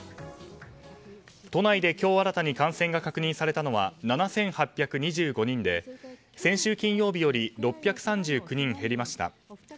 都内で今日新たに感染が確認されたのは７８２５人で先週金曜日より６３９人減りました。